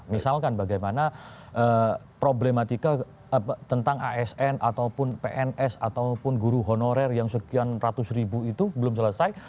misalkan bagaimana problematika tentang asn ataupun pns ataupun guru honorer yang sekian ratus ribu itu belum selesai